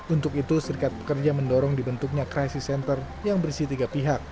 untuk itu serikat pekerja mendorong dibentuknya crisis center yang berisi tiga pihak